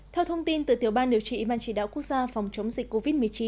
theo thông tin từ tiểu ban điều trị ban chỉ đạo quốc gia phòng chống dịch covid một mươi chín